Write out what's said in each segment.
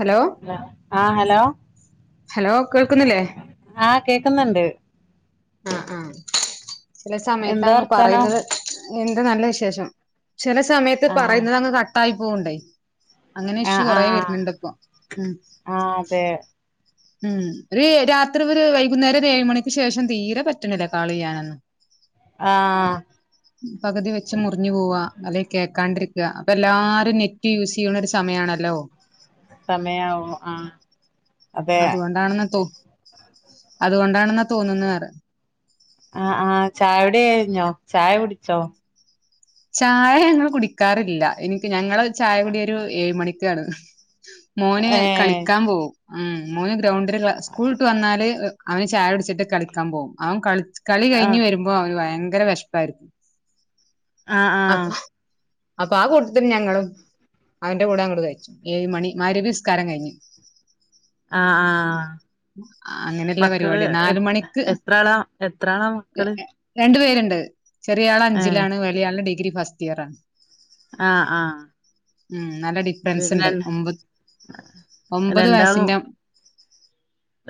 Hello ആ hello hello കേൾക്കുന്നില്ലേ ആ കേക്കുന്നുണ്ട് ആ ആ ചില സമയത്ത് എന്താ അങ്ങ് വർത്താനം പറയുന്നത് എന്റെ നല്ല വിശേഷം ചില സമയത്ത് ആ പറയുന്നത് അങ്ങ് കട്ടായി പോണ്ടെ അങ്ങനെ ആ ഇഷു ആ കൊറെ വരുന്നുണ്ട് ഇപ്പൊ ഉം ആ അതെ ഉം ഒരു രാത്രി ര് വൈകുന്നേരം ഒരു ഏഴ് മണിക്ക് ശേഷം തീരെ പറ്റണില്ല കാൾ ചെയ്യാനൊന്നും ആ പകുതി വെച്ച് മുറിഞ്ഞു പോവാ അത് കേക്കാണ്ടിരിക്കുക അപ്പൊ എല്ലാരും നെറ്റ് യൂസ് ചെയ്യണ ഒരു സമയമാണല്ലോ സമയാവും ആ അതെ അതുകൊണ്ടാണെന്നാ തോ അതുകൊണ്ടാണെന്ന തോന്നുന്നറെ അ ആ ചായഉടി കഴിഞ്ഞോ ചായ കുടിച്ചോ ചായ ഞങ്ങൾ കുടിക്കാറില്ല എനിക്ക് ഞങ്ങള് ചായ കുടിയൊരു ഏഴ് മണിക്ക്യാണ് മോന് ഏ കളിക്കാൻ പോവും ഉം മൂന്ന് ഗ്രൗണ്ടില് ല സ്കൂളട്ട് വന്നാല് അവന് ചായൊട്ച്ചിട്ട് കളിക്കാൻ പോവും അവൻ കളി കളി ആ കഴിഞ് വരുമ്പോ അവന് വ ഭയങ്കര വെശ് പ്പായിരിക്കും ആഹ് ആഹ് അപ്പ ആ കൂട്ടത്ത്ന് ഞങ്ങളും അവന്റെ കൂടെ അങ്ങോട് കഴിച്ചു ഏഴു മണി മഹ് ര് ബ്സ്ക്കാരം കഴിഞ്ഞ് ആഹ് ആഹ് അങ്ങനെയുള്ള മക്കള് പരിപാടിയാ എ നാല് എത് മണിക്ക് എത്രാളാ എത്രാളാ മക്കള് ഹ് [unintelligible] ചെറിയ ആള് ഏ അഞ്ചിലാണ് വലിയ ആള് ഡിഗ് - ഗ്രീ ഫസ്റ്റ് ഇയർയാ ആ ആ മ് നല്ല പിന്നെ ഡിഫറൻസ് ഉണ്ട് രണ്ട് ഒമ്പത് ഒമ്പത് രണ്ടാളും വയസിന്റെ-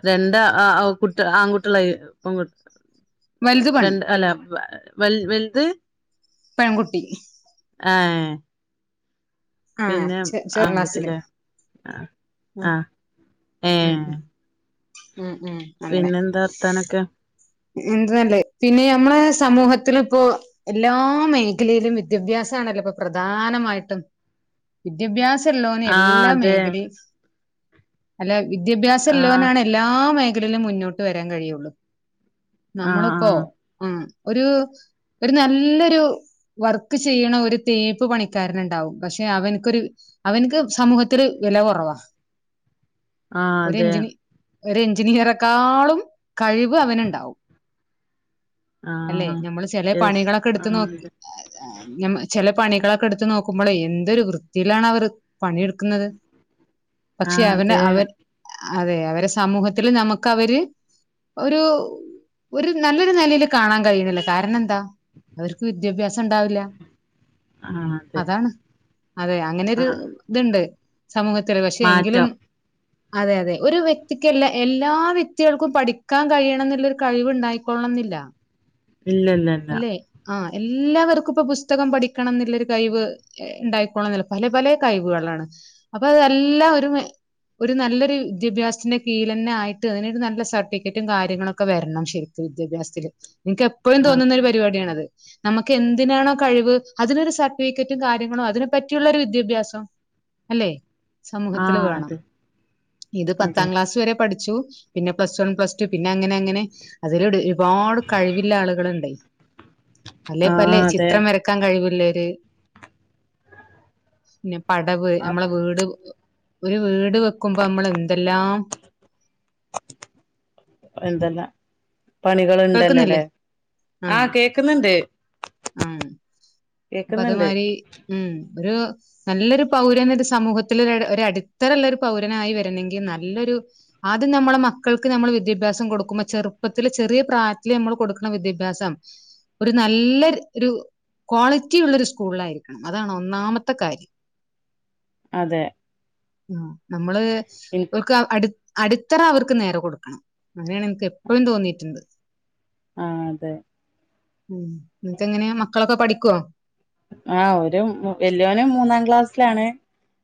രണ്ട് ആ ആ കുട്ടി ആൺകുട്ടികളായി പെൺകു വലുത് - പെണ്ണ് രണ്ട് അല്ല വ വലുത് പെൺകുട്ടി ആ ആഹ് പിന്നെ ആൺകുട്ടിയില്ലേ ആ മ് ആ ഏ മ് മ് മ് മ് അങ്ങനെ പിന്നെന്താ വർത്താനൊക്കെ എന്തല്ലേ പിന്നെ നമ്മളെ സമൂഹത്തില ഇപ്പോ എല്ലാ മേഖലയിലും വിദ്യാഭ്യാസമാണല്ലോ ഇപ്പൊ പ്രധാനമായിട്ടും വിദ്യാഭ്യാസ- ല്ലോന്ന് ആ എല്ലാ അതെ മേഖലയും ഹലോയി വിദ്യാഭ്യാസം ആ ഇല്ലോനാണ് എല്ലാ മേഖ- എങ്കിലല്ലേ മുന്നോട്ട് വരാൻ കഴിയുള്ളൂ ആ ആ നമ്മളിപ്പോ ആ ഒരു ഒരു നല്ലൊരു വർക്ക് ചെയ്യണ ഒരു തേപ്പ് പണിക്കാരൻ ഉണ്ടാവും പക്ഷെ അവനിക്കരു അവനക്ക് സമൂഹത്തില് വില കുറവാ ആഹ് ഒരു അതെ. എഞ്ചിനി ഒരു എഞ്ചിനീയറേക്കാളും കഴിവ് അവനുണ്ടാവും. ആ അല്ലെ? ഞമ്മള് ചെലേ യെസ് പണികളൊക്കെ ആ എടുത്ത് നോക്കി [unintelligible] ഞമ് ചെല പണികളൊക്കെ ഇട്ത്ത് നോക്കുമ്പളേ എന്തൊരു വൃത്തിയിലാണ് അവർ പണിയെടുക്കുന്നത്. അതെ ആ പക്ഷെ അവന് അതെ അവൻ അതെ അവരെ സമൂഹത്തില് നമുക്കവര് ഒരു ഒരു നല്ലൊരു നിലയില് കാണാൻ കഴിയുന്നില്ലോ കാരണം എന്താ അവർക്ക് വിദ്യാഭ്യാസം ഉണ്ടാവില്ല. ആ അതെ അതാണ്. അതെ അങ്ങനെയൊര് ആ ഇതുണ്ട്. സമൂഹത്തില് പക്ഷേ എങ്കിലും മാറ്റം അതെ അതെ ഒരു വ്യക്തിക്ക്ല്ലാ എല്ലാ വ്യക്തികൾക്കും പഠിക്കാൻ കഴിയണം എന്നുള്ളൊരു കഴിവുണ്ടായിക്കോള്ളണെന്നില്ല. ഇല്ല ഇല്ല ഇല്ല. എല്ലാവർക്കും ഇപ്പൊ പുസ്തകം പഠിക്കണം എന്നുള്ളൊരു കഴിവ് ഉണ്ടായിക്കോണം എന്നില്ല. പല പല കഴിവുകളാണ്. അപ്പൊ അതെല്ലാം ഒരു ഒരു നല്ലൊരു വിദ്യാഭ്യാസത്തിന്റെ കീഴിലന്നെ ആയിട്ട് അതിനൊരു നല്ല സർട്ടിഫിക്കറ്റും കാര്യങ്ങളൊക്കെ വരണം ശരിക്കും വിദ്യാഭ്യാസത്തില് എനിക്ക് എപ്പ ആ തോന്നുന്ന ഒരു പരിപാടിയാണത്. നമുക്ക് എന്തിനാണോ കഴിവ് അതിനൊരു സർട്ടിഫിക്കറ്റും കാര്യങ്ങളും അതിനെ പറ്റിയുള്ള ഒരു വിദ്യാഭ്യാസം അല്ലെ. ആ സമൂഹത്തില് വേണം അതെ ഇത് അതെ പത്താം ക്ലാസ് വരെ പഠിച്ചു. പിന്നെ പ്ലസ് വൺ പ്ലസ് ടു പിന്നെ അങ്ങനെ അങ്ങനെ അതിൽ ഒരുപാട് കഴിവില്ല ആളുകളുണ്ട്. അ അല്ലേ ആ പല്ലെ അതെ ചിത്രം വരക്കാൻ കഴിവില്ലര് പിന്നെ പടവ് ആ നമ്മളെ വീട് ഒരു വീട് വെക്കുമ്പോ നമ്മൾ എന്തെല്ലാം എന്തല്ലാം പണികളുണ്ടല്ലോല്ലേ. കേൾക്കുന്നില്ലേ ആ ആഹ് കേക്കുന്നുണ്ട്. ആ അപ്പൊ കേക്കുന്നുണ്ട്. അതുമാതിരി ഉം ഒരു നല്ലൊരു പൗരൻ ഒരു സമൂഹത്തില് ഒരു അടിത്തറുള്ളൊരു പൗരനായി വരണമെങ്കിൽ നല്ലൊരു ആദ്യം നമ്മളെ മക്കൾക്ക് നമ്മൾ വിദ്യാഭ്യാസം കൊടുക്കുമ്പോ ചെറുപ്പത്തില് ചെറിയ പ്രായറ്റിൽ നമ്മൾ കൊടുക്കുന്ന വിദ്യാഭ്യാസം ഒരു നല്ല ഒരു ക്വാളിറ്റി ഉള്ള ഒരു സ്കൂളിലായിരിക്കണം അതാണ് ഒന്നാമത്തെ കാര്യം. അതെ. ഉം. നമ്മള് എനിക്ക് ഒക്ക അടു അടിത്തറ അവർക്ക് നേരെ കൊടുക്കണം. അങ്ങനെയാണ് എനിക്ക് എപ്പോഴും തോന്നിയിട്ടുണ്ട്. ആ അതെ. ഉം. എന്നിട്ട് എങ്ങനെയാ മക്കളൊക്കെ പഠിക് ക്കോ. ആ ഒരു വല്യോന് മൂന്നാം ക്ലാസ്സിലാണ്.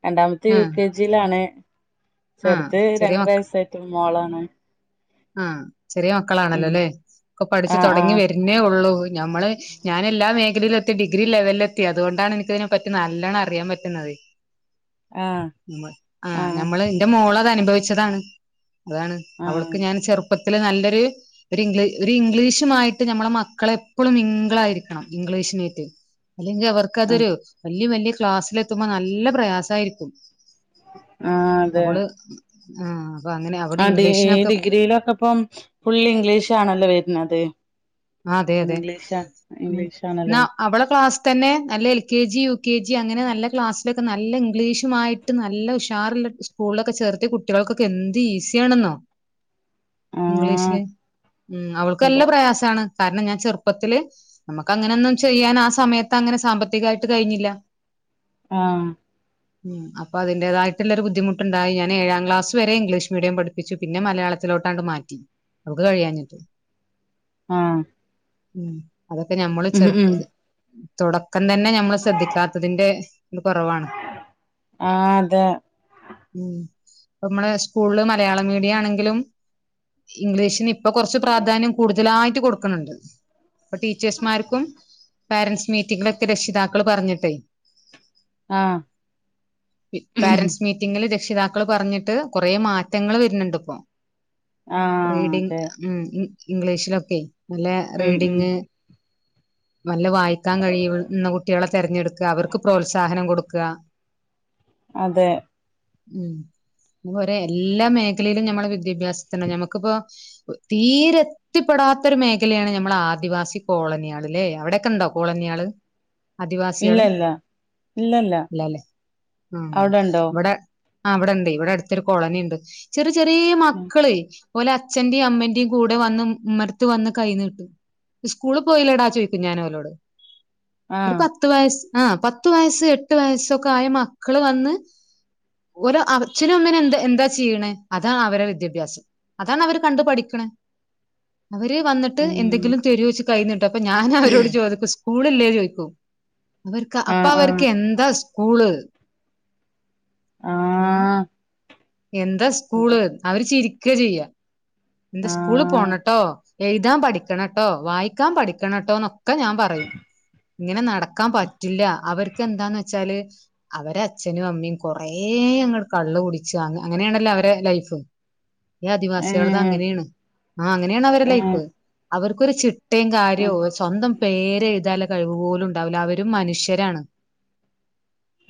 രണ്ടാമത്തെ യു ആഹ് കെ ജിയിലാണ്. ആഹ് ചെറുത് ചെറിയ രണ്ടര മ വയസ്സായിട്ട് മോളാണ് ആഹ് ചെറിയ മക്കളാണല്ലോ ഉം അല്ലേ ഇപ്പൊ പഠിച്ചു ആഹ് തുടങ്ങി ആഹ് വരുന്നേ ഉള്ളൂ. ഞമ്മള് ഞാൻ എല്ലാ മേഖലയിലും എ ഡിഗ്രി ലെവലിലെത്തി അതുകൊണ്ടാണ് എനിക്കതിനെ പറ്റി നല്ലണം അറിയാൻ പറ്റുന്നത്. ആ ആഹ് ഞമ്മളയ്. ഓളത് അനുഭവിച്ചതാണ്. അതാണ് ആഹ് ആഹ് അവൾക്ക് ഞാൻ ചെറുപ്പത് ഇതില് നല്ലൊരു ഇംഗ്ലീ ഒരു ഇംഗ്ലീഷുമായിട്ട് നമ്മളെ മക്കളെപ്പോഴും മിംഗിളായിരിക്കണം ഇംഗ്ലീഷിനായിട്ട്. അല്ലെങ്കിൽ ആഹ് അവർക്കതൊരു വലിയ വലിയ ക്ലാസ്സില് എത്ത്മ്പോ നല്ല പ്രയാസായിരിക്കും [unintelligible] അവള് ആഹ് അപ്പൊ അങ്ങനെ അവിടെ ആ ഡീ ഇംഗ്ലീഷിനൊക്കെ ഡിഗ്രിയിലൊക്കെപ്പം ഫുൾ ഇംഗ്ലീഷാണല്ലോ വരുന്നത് ആ അതെ അതെ ഇംഗ്ലീഷാ ഉം ഇംഗ്ലീഷ് ആണല്ലോ ന്നാ വര് അവള ക്ലാസ്തന്നെ നല്ല L K G U K G G അങ്ങനെ നല്ല ക്ലാസ്സിലൊക്കെ നല്ല ഇംഗ്ലീഷുമായിട്ട് നല്ല ഉഷാറില്ല സ്കൂളിലൊക്കെ ചേർത്ത് കുട്ടികൾക്കൊക്കെ എന്ത് ഈസിയാണെന്നോ ആഹ് ഇംഗ്ലീഷില് ഉം അവൾക്ക്നല്ല അതെ പ്രയാസാണ് കാരണം ഞാൻ ചെറ്പ്പത്തില് നമ്മക്കങ്ങനൊന്നും ചെയ്യാൻ ആ സമയത്ത് അങ്ങനെ സാമ്പത്തികായിട്ട് കഴിഞ്ഞില്ല ആഹ് ഉം അപ്പൊ അതിന്റേതായിട്ടുള്ളൊരു ബുദ്ധിമുട്ട്ണ്ടായി. ഞാൻ ഏഴാം ക്ലാസ് വരെ ഇംഗ്ലീഷ് മീഡിയം പഠിപ്പിച്ചു പിന്നെ മലയാളത്തിലോട്ടാണ്ട് മാറ്റി അവര്ക്ക് കഴിയാഞ്ഞിട്ട് ആഹ് ഉം അതൊക്കെ ഞമ്മള് ഉം ഉം ചെറ്പ്പത് തുടക്കം തന്നെ ഞമ്മള് ശ്രദ്ധിക്കാത്തതിന്റെ ഇത് കൊറവാണ് ആ അതെ ഉം ഇപ്പോ നമ്മള് സ്കൂള്ല് മലയാളം മീഡിയം ആണെങ്കിലും ഇംഗ്ലീഷിന് ഇ ഇപ്പ കൊറച്ച് പ്രാധാന്യം കൂട്തലായി ട്ട് കൊടുക്ക്ന്ന്ണ്ട് അപ്പൊ ടീച്ചേഴ്സ്മാർക്കും പാരെന്റ്സ് മീറ്റിംഗിലൊക്കെ രക്ഷിതാക്കൾ പറഞ്ഞിട്ടേ ആഹ് പാരെന്റ്സ് മീറ്റിങ്ങില് ര ക്ഷിതാക്കൾ പറഞ്ഞിട്ട് കൊറേ മാറ്റങ്ങൾ വര്ന്ണ്ട്പ്പോ ആഹ് അതെ ഇംഗ്ലീഷിലൊക്കെ നല്ല ഉം ഉം റീഡിങ് നല്ല വായിക്കാൻ കഴിയുന്ന കുട്ട്യാളെ തെരഞ്ഞെട്ക്ക അവർക്ക് പ്രോത്സാഹനം കൊട്ക്കാ അതെ ഉം അത്പോലെ എല്ലാ മേഖലയിലും ഞമ്മൾ വിദ്യാഭ്യാസത്തിന് ഞമ്മുക്കിപ്പോ തീരെ എത്തിപെടാ ത്തൊരു മേഖലയാണ് ഞമ്മള് ആദിവാസി കോളന്യാള്ല്ലേ അവിടൊക്കെണ്ടോ കോളന്യാള് ആദിവാസ്യാള് ഇല്ലല്ല ഇല്ലല്ല ഇല്ലല്ലേ ആ അവിടെ ഉണ്ടോ ഇവടെ ആ ഇവടെണ്ട് ഇവടെ അട്ത്തൊരു കോളനിണ്ട് ചെറ് ചെറീ മക്കളേ അച്ഛന്റിം അമ്മന്റിം കൂടെ വന്ന് ഉമ്മ റത്ത് വന്ന് കൈ നീട്ടും സ്കൂള് പോയില്ലടാ ചോയ്ക്കും ഞാന് ഓലോട് ഒരു ആഹ് പത്ത് വയസ്സ് ആഹ് പത്ത് വയസ്സ് എട്ട് വയസ്സൊക്കെ ആയ മക്കള് വന്ന് ഓരോ അച്ഛനും അമ്മേനെ എന്താ എന്താ ചെയ്യണ അതാ അവരെ വിദ്യാഭ്യാസം അതാണ് അവര് കണ്ട് പഠിക്ക്ണ അവര് വന്നിട്ട് ഉം എന്തെങ്കിലും തെരോ ച് കൈനി ട്ടാ അപ്പൊ ഞാന് അവരോട് ചോദിക്കും സ് കൂള്ല്ലേ ചോയ്ക്കും അവർക്ക് അപ്പ ആഹ് ആഹ് അവർക്ക് എന്ത സ് കൂള് ഉം ആഹ് എന്താ അതെ സ്കൂള് അവര് ചിരി ക്ക ചെയ്യാ [unintelligible] സ്കൂള് ആഹ് പോണട്ടോ എഴുതാൻ പഠിക്കണട്ടോ വായിക്കാൻ പഠിക്കണട്ടോ എന്നൊക്കെ ഞാൻ പറയും ഇങ്ങനെ നടക്കാൻ പറ്റില്ല അവർക്കെന്താന്ന് വെച്ചാല് അവരെ അച്ഛനും അമ്മിം കൊറേ ഞങ്ങൾ കള്ള് കുടി ച്ചാണ് അങ്ങനെയേണല്ലോ അവരെ ലൈഫ് ഈ ആദിവാസികളത് ഏഹ് അങ്ങനേണ് ആഹ് അങ്ങനേണ് അവരെ ഏഹ് ലൈഫ് അവർക്കൊരു ചി ട്ടേയും കാര്യോ സ്വന്തം പേര് എഴുതാല കഴിവ് പോലും ഉണ്ടാവില്ല അവരും മനുഷ്യരാണ്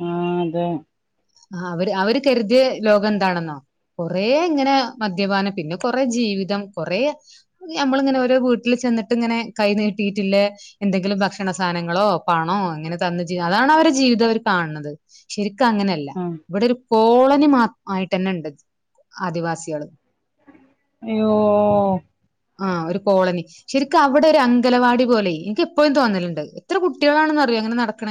ആഹ് അതെ ആ അവര് അവര് കരുതിയ ലോകം എന്താണെന്നോ കൊറെ ഇങ്ങനെ മദ്യപാനം പിന്നെ കൊറെ ജീവിതം കൊറെ ഞമ്മളിങ്ങനെ ഓരോ വീട്ടിൽ ചെന്നിട്ട് ഇങ്ങനെ കൈ നീട്ടിയിട്ടില്ലെ എന്തെങ്കിലും ഭക്ഷണ സാധനങ്ങളോ പണോ ഇങ്ങനെ തന്ന് ജി അതാണ് അവരെ ജീവിതം അവർ കാണ്‌ണത് ശരി ക്കങ്ങനല്ല ആഹ് ഇവിടെ ഒരു കോളനി മാ ആയിട്ടന്നെ ഇണ്ട് ആദിവാസിയേൾ അയോ ആഹ് ഒരു കോളനി ശരിക്കും അവിടെ ഒരു അംഗലവാടി പോലെ എനിക്ക് എപ്പഴും തോന്നലുണ്ട് എത്ര കുട്ടികളാണെന്ന് അറിയോ അങ്ങനെ നടക്ണ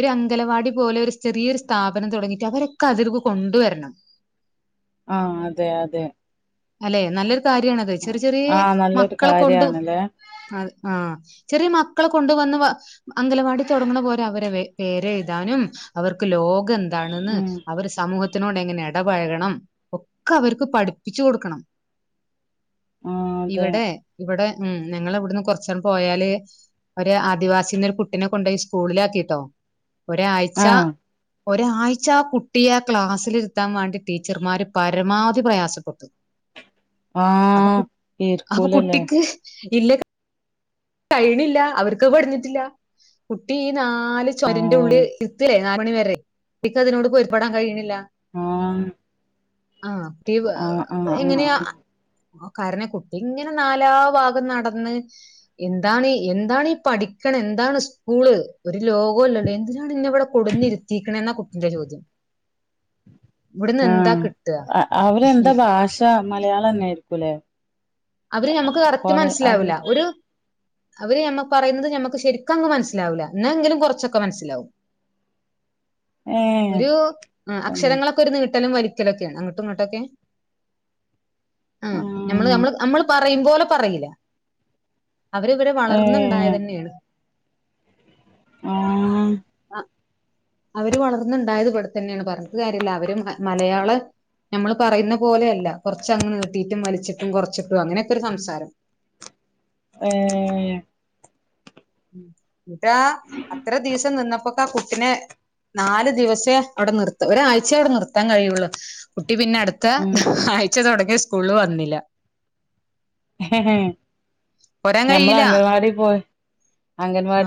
ഒരു അംഗലവാടി പോലെ ഒരു ചെറിയൊരു സ്ഥാപനം തുടങ്ങിയിട്ട് അവരൊക്കെ അതിൽക്ക് കൊണ്ടുവരണം ആഹ് അതെ അതെ അല്ലെ നല്ലൊരു കാര്യാണത് ചെറിയ ചെറിയ ആഹ് നല്ലൊരു മക്കളെ കൊണ്ട് കാര്യാണല്ലേ അത ആ ചെറിയ മക്കളെ കൊണ്ടുവന്ന് അംഗലവാടി തൊടങ്ങ് ണ പോലെ അവരെ പേരെഴുതാനും അവർക്ക് ലോ കന്താണ് ന്ന് ഉം അവര് സമൂഹ ചനോടെങ്ങനെ ഇടപഴകണം, ഒക്കെവർക്ക് പഠിപ്പിച്ചു കൊടുക്കണം. ആഹ് അതെ ഇവടേ ഇവടെ. ഉം ഞങ്ങളിവിടന്ന് കുറചാണ് പോയാല് ഒരു ആദിവാസിനൊരു കുട്ടിനെ കൊണ്ടോയി സ്കൂളിലാക്കീട്ടോ. ഒരാഴ്ചാ ആഹ് ഒരാഴ്ച്ചാ കുട്ടിയാ ക്ലാസ്സില് ത്താൻ വേണ്ടി ടീച്ചർമാര് പരമാവധി പ്രയാസപ്പെട്ടു. ആ അപ്പൊ കു അപ്പൊ ഇര്ക്കൂലല്ലേ? കുട്ടിക്ക് ഇല്ല കയ്യിണില്ലാ, അവർക്ക് പഠിഞ്ഞിട്ടില്ലാ കുട്ടീ നാല് ആഹ് ചോരുന്റുള്ളിൽ ഇര്ത്തിലേ. നാല് മണിവരെ എനിക്ക്തിനോട് പൊരുത്പെടാൻ കഴിയണില്ല. ആ ആ ടിവ് അ എങ്ങനെയാ? ആഹ് ആ കാരണം കുട്ടി ഇങ്ങനെ നാലാ ഭാഗം നടന്ന് എന്താണ് എന്താണീ പഠിക്കണ എന്താണ് സ്കൂള് ഒരു ലോകവല്ലല്ലോ എന്തിനാണ് ഇന്നെ ഇവിടെ കൊടുന്നിരുത്തിക്കണ എന്നാ കുട്ടിന്റെ ചോദ്യം. ഇവിടുന്ന് ആ എന്താ കിട്ടുക അ അവരെന്താ ഭാഷ മലയാളന്നെആയിരിക്കൂലേ അവര് നമുക്ക് കറക്റ്റ് പ്പോള് അത് മനസ്സിലാവില്ല ഒരു അവര് ഞമ്മ പറയുന്നത് ഞമ്മക്ക് ശരിക്കും അങ്ങ് മനസ്സിലാവൂല്ല എന്നേങ്കിലും കുറച്ചൊക്കെ മനസ്സിലാവും. ഏഹ് ഒരൂ ആഅ തന്നെ ക്ഷരങ്ങളൊക്കെ ന്നീ ത്തലും വരിക്കലൊക്കെയാണ് അങ്ങോട്ടും ഇങ്ങോട്ടൊക്കെ. ആ ഞമ്മള് ആഹ് ഞമ്മള് നമ്മള് പ റയുമ്പോലെ പറയില്ല. അവരവര് ഏഹ് വളർന്നുണ്ടായതന്നെയാണ്. ആ അവര് വളർന്നുണ്ടായത് ഇവിടെതന്നെയാണ് പറഞ്ഞിട്ട് കാര്യല്ല അവര് മ മലയാളം ഞമ്മള് പറയുന്ന പോലെയല്ല കൊറച്ചങ്ങ് നീട്ടിട്ടും വലിച്ചിട്ടും കൊറച്ചിട്ടും അങ്ങനെക്കെ ഒരു സംസാരം. ഏ ഉം ഈടാ അത്ര ദീസം നിന്നപ്പോ പ്പ കുട്ടിനെ നാല് ദിവസേ അവിടെ നിർ ത്ത് ഒരാഴ്ച്ചേ അവിടെ നിർത്താൻ കഴിയുള്ളു. ട്ടി പിന്നെ അടുത്താ ഉം ആഴ്‌ ഉച്ച തൊടങ്ങി സ്കൂളില് വന്നില്ല പോരാൻ ഞമ്മള് കഴിയില്ല അംഗൻവാടീ പോയി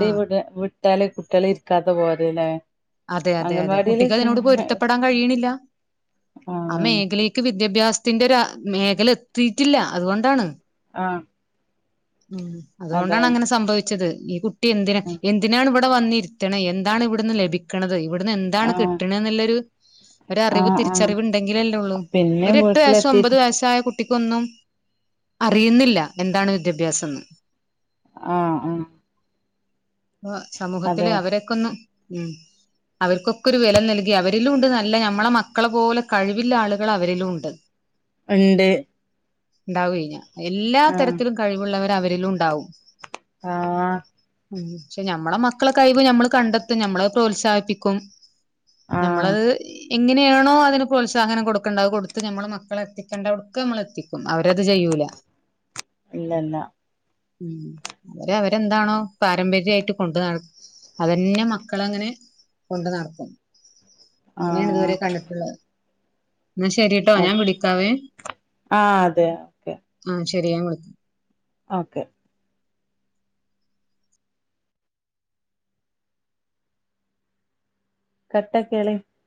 ആഹ് വിട് ട്ടാല് കുട്ടികള് ഇരിക്കാതെ പോല ല്ലെ. അതെ അതെ അതെ കുട്ടിക്ക് അതിനോട് പൊരുത്തപ്പെടാൻ കഴിയണില്ല ആ ആഹ് മേഖലക്ക് വിദ്യാഭ്യാസത്തിന്റെ ആ മേഖല എത്തിട്ടില്ല അതുകൊണ്ടാണ് ആ ഉം അതുകൊണ്ടാണ് അങ്ങനെ സംഭവിച്ചത് [unintelligible] ത് ഈ കുട്ട എന്തിനന് എന്തിനാണ്വി വന്നിരിക്കണ എന്താണ് ഇവിടുന്ന് ലഭിക്കുന്നത് കണതായി ഇവിടുന്ന് എന്താണ് ആഹ് കിട്ടണ എന്നുള്ളൊരു ഒരറിവ് ആഹ് ആഹ് തിരിച്ചറിവ് ഉണ്ടെങ്കിലല്ലേ ഉള്ളൂ പിന്നെ ഒരു എട്ടു വയസ്സോ ഒമ്പത് വീട്ടിലെത്തിട്ട് വയസ്സ ആയ കുട്ടി കുട്ടിക്കൊന്നും അറിയുന്നില്ല എന്താണ് വിദ്യാഭ്യാസം എന്ന് ആഹ് ആഹ് അപ്പ സമൂഹത്തില് അതെ അവരൊക്കൊന്ന് ഉം അവർക്കൊക്കെ ഒരു വില നൽകി അവരിലും ഉണ്ട് നല്ല ഞമ്മളെ മക്കളെ പോലെ കഴിവില്ല ആളുകൾ അവരിലുംണ്ട് രണ്ട് [unintelligible] എന്താവഞ്ഞ എല്ലാ തരത്തിലും കഴിവുള്ളവർ അവരിലും ഉണ്ടാവും ആഹ ഉ് പെഞമ്മള മക്കളെ കൈ പോയി നമ്മള് കണ്ടെത്തും നമ്മളെ പ്രോത്സാഹിപ്പും പ്പിക്കും ആഹ് നമ്മളത് എങ്ങനെയാണോ അതിന് പ്രോത്സാഹനം കൊടുക്കേണ്ടത് കൊടുത്ത് നമ്മൾ മക്കളെ എത്തിക്കേണ്ട അടുക്ക് നമ്മൾ എത്തിക്കും അവരത് ചെയ്യൂല ഇല്ല ഇല്ല ഉ അവരെ അവരെന്താണോ പാരമ്പര്യമായിട്ട് കൊണ്ടു അതന്നെ മക്കള അങ്ങനെ കൊണ്ടു നടക്കും അങ്ങനെയാണ് ആഹ് ഇതുവരെ കണ്ടിട്ടുള്ളത് എന്നാ ശെരിട്ടോ ഞാൻ അത് വിളിക്കാവേ ആഹ് അതെ ഓക്കെ ആ ശരിയാ ഞാൻ വിളിക്കാ ഓക്കെ കട്ടക്കള